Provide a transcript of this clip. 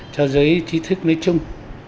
cho giới trí thức nói chung